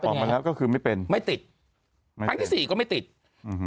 ออกมาแล้วก็คือไม่เป็นไม่ติดครั้งที่สี่ก็ไม่ติดอืม